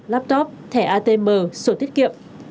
laptop thẻ atm sổ thiết kiệm